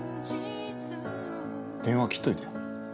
電話、切っといてよ。